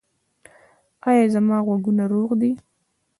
ایا زما غوږونه روغ دي؟